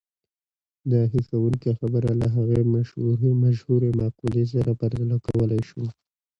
دا هيښوونکې خبره له هغې مشهورې مقولې سره پرتله کولای شو.